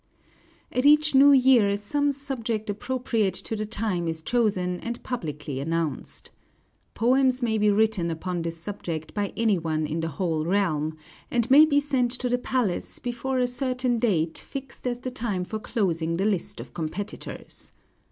At each New Year some subject appropriate to the time is chosen and publicly announced. Poems may be written upon this subject by any one in the whole realm, and may be sent to the palace before a certain date fixed as the time for closing the list of competitors.